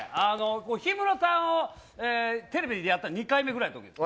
氷室さんをテレビでやったの２回目ぐらいのときです。